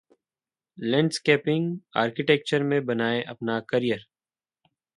landscaping architecture में बनाएं अपना करियर